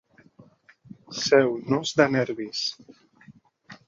Ser un nus de nervis.